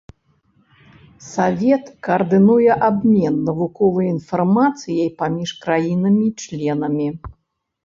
Савет каардынуе абмен навуковай інфармацыяй паміж краінамі-членамі.